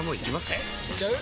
えいっちゃう？